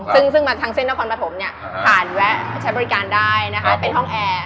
ซึ่งมาทางเส้นน้ำความประถมผ่านแวะใช้บริการได้เป็นห้องแอร์